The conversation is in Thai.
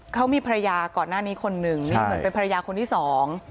เขามีภรรยาก่อนหน้านี้คนหนึ่งนี่เหมือนเป็นภรรยาคนที่สอง